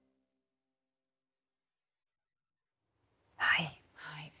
はい。